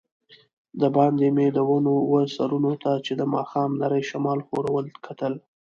دباندې مې د ونو وه سرونو ته چي د ماښام نري شمال ښورول، کتل.